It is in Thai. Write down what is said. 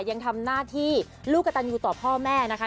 ยังทำหน้าที่ลูกกระตันอยู่ต่อพ่อแม่นะคะ